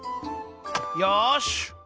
よし！